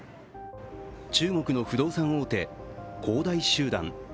中国の不動産大手、恒大集団。